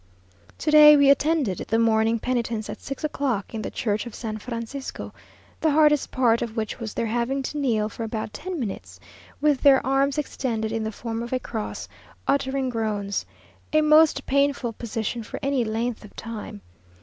To day we attended the morning penitence at six o'clock, in the church of San Francisco; the hardest part of which was their having to kneel for about ten minutes with their arms extended in the form of a cross, uttering groans; a most painful position for any length of time.